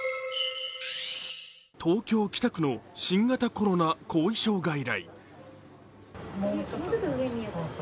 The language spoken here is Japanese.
東京・北区の新型コロナ後遺症外来。